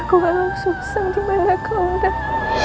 aku tak tahu langsung langsung dimana kau aden